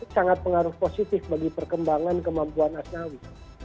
sangat pengaruh positif bagi perkembangan kemampuan asnawi